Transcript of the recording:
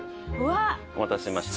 お待たせしました。